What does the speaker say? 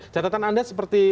catatan anda seperti